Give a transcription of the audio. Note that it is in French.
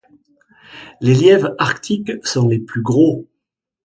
Les lièvres Arctiques sont les plus gros